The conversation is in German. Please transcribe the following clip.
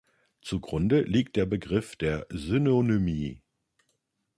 Zugrunde liegt der Begriff der Synonymie.